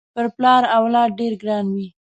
پر پلار اولاد ډېر ګران وي